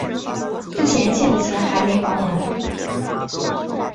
之前欠的钱还没还完